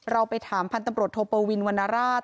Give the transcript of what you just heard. เราไปถามพันธุ์ตำรวจโทปวินวรรณราช